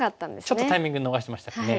ちょっとタイミング逃しましたかね。